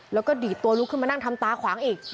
แล้วก็ดีดตัวลุกขึ้นมานั่งทำตาขวางอีก